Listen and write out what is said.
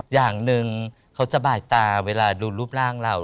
อย่างหนึ่งเขาสบายตาเวลาดูรูปร่างเรา